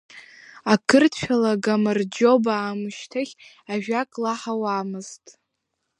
Ақырҭшәала гамарџьоба аамышьҭахь ажәак лаҳауамызт.